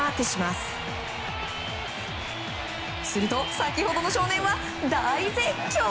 すると先ほどの少年は、大絶叫！